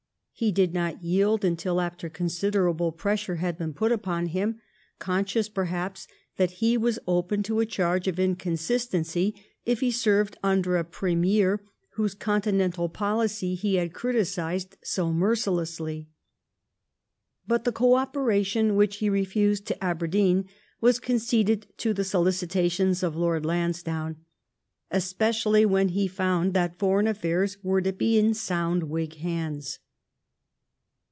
He did not yield until after considerable pres sure had been put upon him, conscious, perhaps, that he was open to a charge of inconsistency if he served under a premier whose continental policy he had criticized so mercilessly. But the co operation which he refused to Aberdeen was conceded to the solicita tions of Lord Lansdowne, especially when he found that foreign affairs were to be in sound Whig hands.